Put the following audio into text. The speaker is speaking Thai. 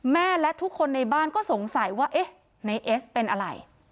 แม่และทุกคนในบ้านก็สงสัยว่าเอ๊ะในเอสเป็นอะไร